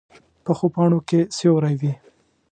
پخو پاڼو کې سیوری وي